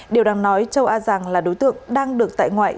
điều đáng nói châu a giàng là đối tượng đang được tại ngoại